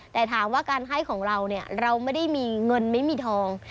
แต่ถามว่าการให้ของเราเนี่ยเราไม่ได้มีเงินไม่มีทอง